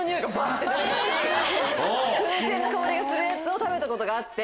て出るぐらい燻製の香りがするやつを食べたことがあって。